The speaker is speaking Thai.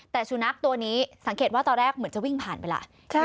แต่สุนัขตัวนี้สังเกตว่าตอนแรกเหมือนจะวิ่งผ่านไปล่ะ